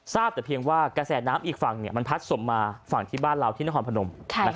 ทราบแต่เพียงว่ากระแสน้ำอีกฝั่งมันพัดสมมาฝั่งที่บ้านเราที่นครพนม